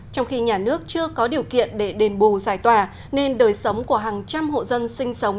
trong khi nhà nước chưa có điều kiện để đền bù giải tỏa nên đời sống của hàng trăm hộ dân sinh sống